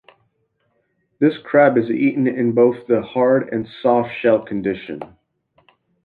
This crab is eaten in both the hard and soft shell condition.